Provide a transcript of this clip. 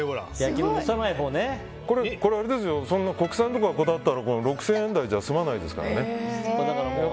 これ、国産とかこだわったら６０００円台じゃ済まないですから。